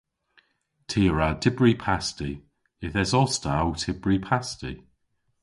Ty a wra dybri pasti. Yth esos ta ow tybri pasti.